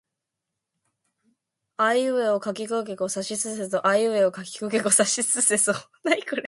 あいうえおかきくけこさしすせそあいうえおかきくけこさしすせそ